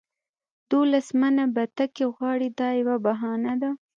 دولس منه بتکۍ غواړي دا یوه بهانه ده.